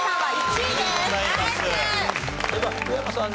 福山さん